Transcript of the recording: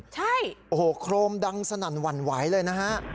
ใช่คลมดังสนั่นหวั่นไหวเลยนะฮะ